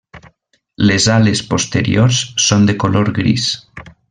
Les ales posteriors són de color gris.